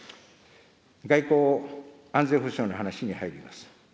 外交・安全保障の話に入ります。